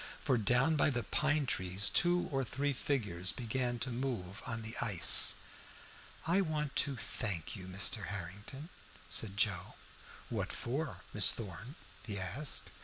For down by the pine trees two or three figures began to move on the ice. "I want to thank you, Mr. Harrington," said Joe. "What for, Miss Thorn?" he asked.